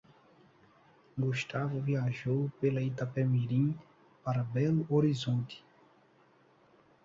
Gustavo viajou pela Itapemirim para Belo Horizonte.